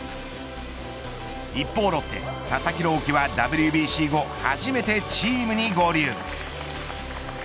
一方ロッテ、佐々木朗希はＷＢＣ後、初めてチームに合流。